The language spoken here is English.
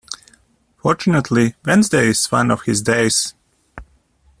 Fortunately Wednesday is one of his days.